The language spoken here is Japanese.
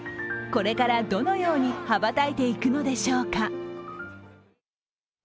これからどのように羽ばたいていくのでしょうか。